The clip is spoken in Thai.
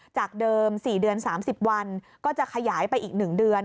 จากเดิม๔เดือน๓๐วันก็จะขยายไปอีก๑เดือน